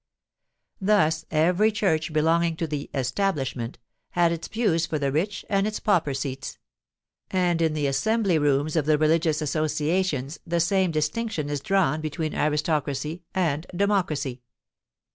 Thus every church belonging to the "Establishment" has its pews for the rich and its pauper seats; and in the assembly rooms of the religious associations the same distinction is drawn between aristocracy and democracy.